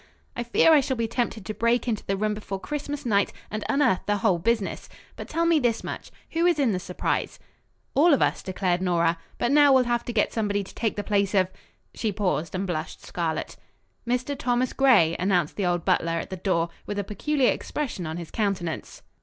"I fear I shall be tempted to break into the room before Christmas night and unearth the whole business. But tell me this much. Who is in the surprise?" "All of us," declared Nora. "But now we'll have to get somebody to take the place of " She paused and blushed scarlet. "Mr. Thomas Gray," announced the old butler at the door, with a peculiar expression on his countenance.